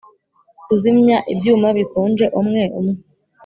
kuzimya ibyuma bikonje umwe umwe.